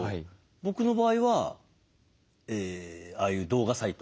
僕の場合はああいう動画サイト。